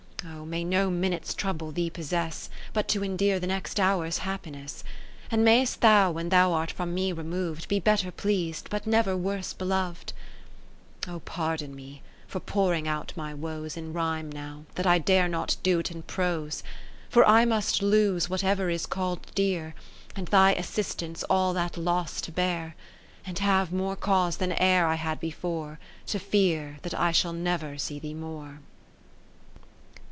60 Oh, may no minute's trouble thee possess, But to endear the next hour's happiness ; And mayst thou when thou art from me remov'd, Be better pleas'd, but never worse belov'd : Oh, pardon me for pouring out my woes In rhyme now, that I dare not do 't in prose. For I must lose whatever is call'd dear. And thy assistance all that loss to bear, Oriiida to Liccasia parting And have more cause than e'er I had before, 'i'o fear that I shall never see thee more.